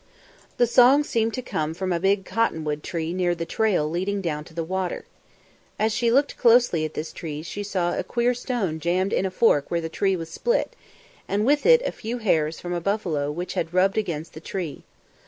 The song seemed to come from a big cotton wood tree near the trail leading down to the water. As she looked closely at this tree she saw a queer stone jammed in a fork where the tree was split, and with it a few hairs from a buffalo which had rubbed against the tree.